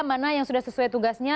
mana yang sudah sesuai tugasnya